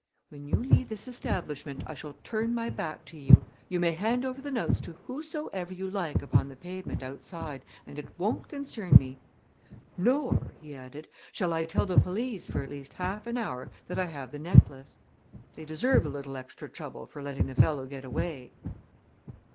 "When you leave this establishment I shall turn my back to you. You may hand over the notes to whosoever you like upon the pavement outside and it won't concern me. Nor," he added, "shall I tell the police for at least half an hour that I have the necklace. They deserve a little extra trouble for letting the fellow get away."